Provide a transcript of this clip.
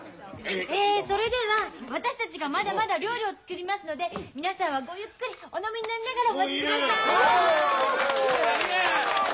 ええそれでは私たちがまだまだ料理を作りますので皆さんはごゆっくりお飲みになりながらお待ちください！